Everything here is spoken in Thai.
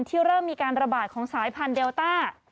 เริ่มมีการระบาดของสายพันธุเดลต้า